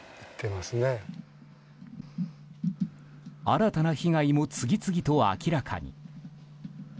新たな被害も次々と明らかに。